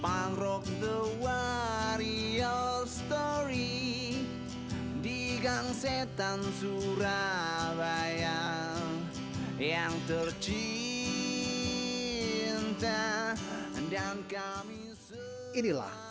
pangrok the warriors story di gangsetan surabaya yang tercinta dan kami inilah